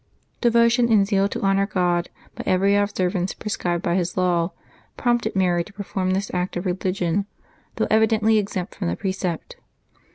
Devotion and zeal to honor God, by every observance pre scribed by His law, prompted Mary to perform this act of religion, though evidently exempt from the precept.